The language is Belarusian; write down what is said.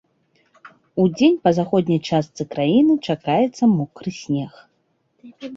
Удзень па заходняй частцы краіны чакаецца мокры снег.